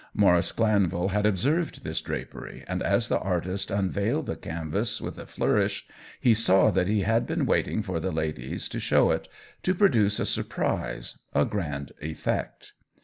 Mau rice Glanvil had observed this drapery, and as the artist unveiled the canvas with a flourish he saw that he had been waiting for the ladies to show it, to produce a surprise, a grand effect.